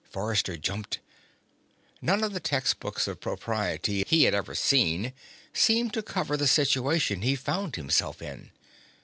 Forrester jumped. None of the textbooks of propriety he had ever seen seemed to cover the situation he found himself in.